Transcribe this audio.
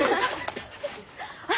あっ。